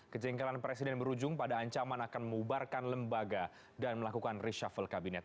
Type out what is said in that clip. kejengkelan presiden berujung pada ancaman akan memubarkan lembaga dan melakukan reshuffle kabinet